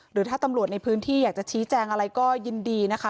หรือถ้าตำรวจในพื้นที่อยากจะชี้แจงอะไรก็ยินดีนะคะ